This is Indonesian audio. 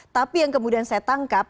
tapi yang kemudian saya tangkap